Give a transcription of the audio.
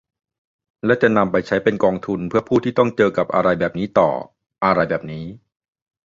และจะนำไปใช้เป็นกองทุนเพื่อผู้ที่ต้องเจอกับอะไรแบบนี้ต่อ | อะไรแบบนี้